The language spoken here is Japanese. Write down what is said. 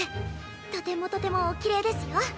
とてもとてもおきれいですよ。